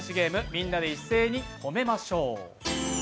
みんなで一斉に褒めましょう。